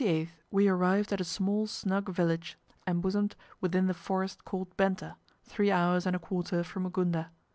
On the 28th we arrived at a small snug village embosomed within the forest called Benta, three hours and a quarter from Ugunda.